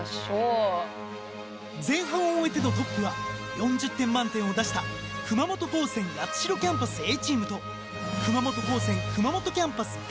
前半を終えてのトップは４０点満点を出した熊本高専八代キャンパスＡチームと熊本高専熊本キャンパスＢチーム。